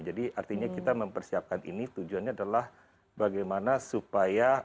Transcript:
jadi artinya kita mempersiapkan ini tujuannya adalah bagaimana supaya kita bisa memperbaiki perusahaan ini